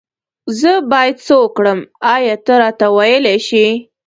زه بايد سه وکړم آيا ته راته ويلي شي